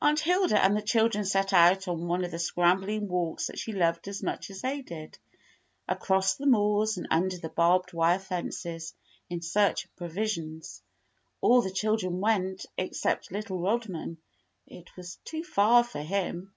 Aunt Hilda and the children set out on one of the scrambling walks that she loved as much as they did, across the moors and under the barbed wire fences, in search of provisions. All the children went, except little Rodman; it was too far for him.